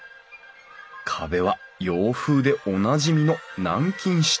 壁は洋風でおなじみの南京下